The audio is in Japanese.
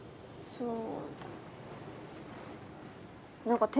そう。